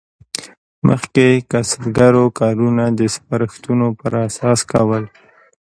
مخکې کسبګرو کارونه د سپارښتونو پر اساس کول.